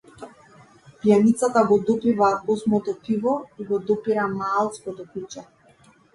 Пијаницата го допива осмото пиво и го допира маалското куче.